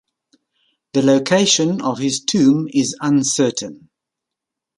The location of his tomb is uncertain.